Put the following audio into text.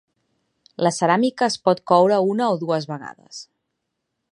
La ceràmica es pot coure una o dues vegades.